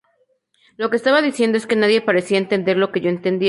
Lo que estaba diciendo es que nadie parecía entender lo que yo entendía.